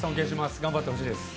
頑張ってほしいです。